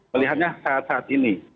melihatnya saat saat ini